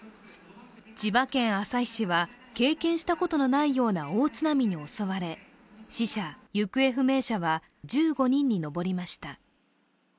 千葉県旭市は経験したことのないような大津波に襲われ死者・行方不明者は１５人に上りました。